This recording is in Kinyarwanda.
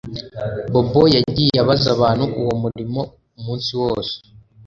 Bobo yagiye abaza abantu uwo murimo umunsi wose